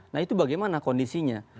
nah itu bagaimana kondisinya